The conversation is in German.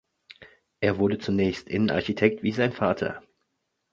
Er wurde zunächst Innenarchitekt wie sein Vater.